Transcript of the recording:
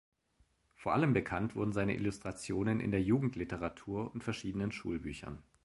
Vor allem bekannt wurden seine Illustrationen in der Jugendliteratur und verschiedenen Schulbüchern.